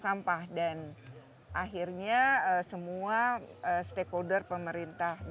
sampah dan akhirnya semua stakeholder pemerintah dki maupun kolaborasi pemerintah khususnya